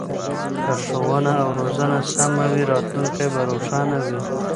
که ښوونه او روزنه سمه وي راتلونکی به روښانه وي.